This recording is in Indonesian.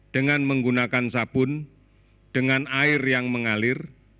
dengan menggunakan sabun dengan air yang mengalir